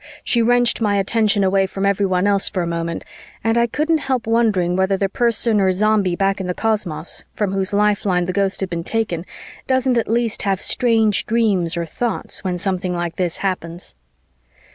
She wrenched my attention away from everyone else for a moment, and I couldn't help wondering whether the person or Zombie back in the cosmos, from whose lifeline the Ghost has been taken, doesn't at least have strange dreams or thoughts when something like this happens.